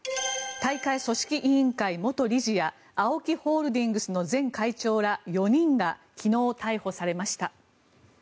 大会組織委員会元理事やＡＯＫＩホールディングスの前会長ら４人が昨日、逮捕されました。